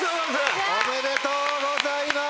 おめでとうございます。